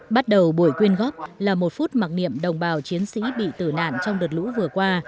bắt đầu buổi quyên góp là một phút mặc niệm đồng bào chiến sĩ bị tử nạn trong đợt lũ vừa qua